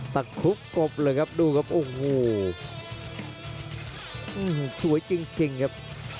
คลุกกบเลยครับดูครับโอ้โหสวยจริงครับ